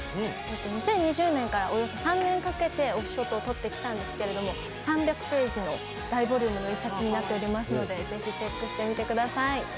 ２０２０年からおよそ３年かけてオフショットを撮ってきたんですけど３００ページの大ボリュームの１冊になっておりますので、ぜひチェックしてみてください。